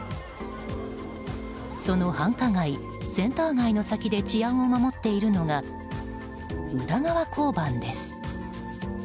その繁華街、センター街の先で治安を守っているのが宇田川交番です。